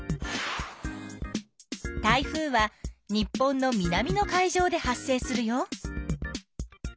台風は日本の南の海上で発生するよ。